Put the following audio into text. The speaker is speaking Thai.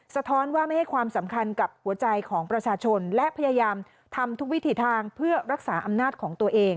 สะท้อนว่าไม่ให้ความสำคัญกับหัวใจของประชาชนและพยายามทำทุกวิถีทางเพื่อรักษาอำนาจของตัวเอง